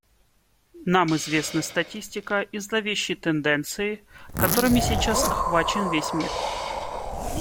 Нам известны статистика и зловещие тенденции, которыми сейчас охвачен весь мир.